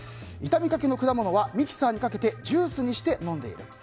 傷みかけの果物はミキサーにかけてジュースにして飲んでいる。